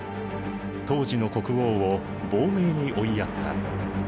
当時の国王を亡命に追いやった。